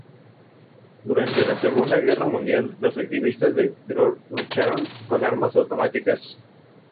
Durante la Segunda Guerra Mundial, los activistas de "Dror" lucharon con armas automáticas.